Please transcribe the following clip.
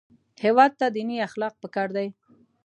هېواد ته دیني اخلاق پکار دي